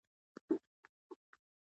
ایا ستاسو شک به لرې نه شي؟